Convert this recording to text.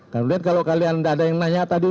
kalian lihat kalau kalian nggak ada yang nanya tadi